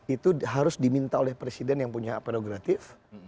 itu harus diminta oleh presiden yang punya apel negatif